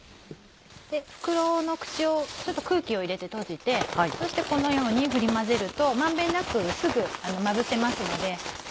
袋の口をちょっと空気を入れて閉じてそしてこのように振り混ぜると満遍なくすぐまぶせますので。